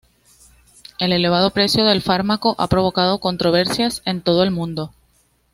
El elevado precio del fármaco ha provocado controversias en todo el mundo.